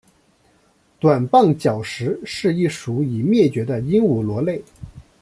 短棒角石是一属已灭绝的鹦鹉螺类。